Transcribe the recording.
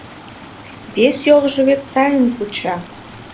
Вес йолжо вет сайын куча...